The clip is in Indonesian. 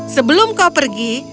sebelum kau pergi